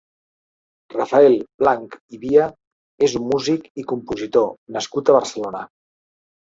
Rafael Blanch i Via és un músic i compositor nascut a Barcelona.